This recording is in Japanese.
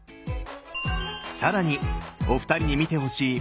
更にお二人に見てほしい右頬。